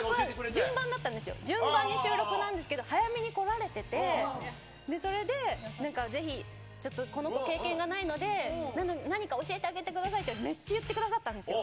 順番だったんですよ、順番に収録なんですけど、早めに来られてて、それで、なんかぜひ、ちょっとこの子経験がないので、何か教えてあげてくださいって、めっちゃ言ってくださったんですよ。